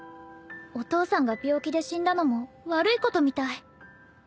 お父さんが病気で死んだのも悪いことみたい。